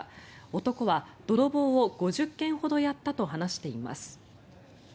男は泥棒を５０件ほどやったと話しています。